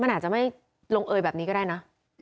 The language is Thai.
มันอาจจะไม่ลงเอยแบบนี้ก็ได้นะ